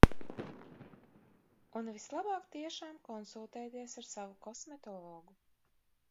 Un vislabāk tiešām konsultēties ar savu kosmetologu.